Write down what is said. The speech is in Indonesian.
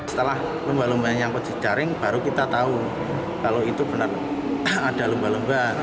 setelah lumba lumba yang menyangkut jejaring baru kita tahu kalau itu benar ada lumba lumba